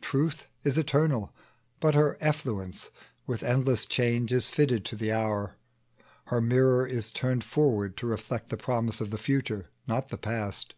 Truth is eternal, but her effluence, With endless change is fitted to the hour; Her mirror is turned forward to reflect The promise of the future, not the past.